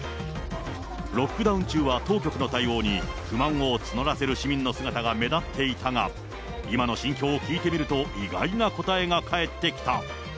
ロックダウン中は当局の対応に不満を募らせる市民の姿が目立っていたが、今の心境を聞いてみると、意外な答えが返ってきた。